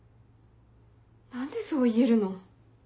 何でそう言えるの？